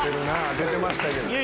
出てましたけど。